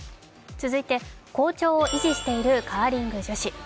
続いて好調を維持しているカーリング女子。